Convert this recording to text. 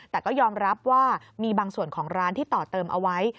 แต่ก็ยอมรับว่ามีบางส่วนของร้านที่ต่อเติมเอาไว้